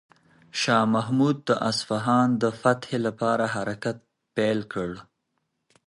شاه محمود د اصفهان د فتح لپاره حرکت پیل کړ.